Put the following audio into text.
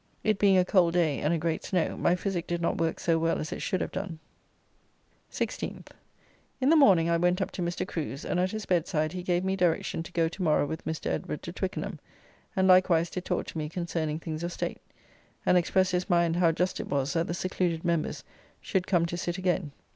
It being a cold day and a great snow my physic did not work so well as it should have done. 16th. In the morning I went up to Mr. Crew's, and at his bedside he gave me direction to go to morrow with Mr. Edward to Twickenham, and likewise did talk to me concerning things of state; and expressed his mind how just it was that the secluded members should come to sit again.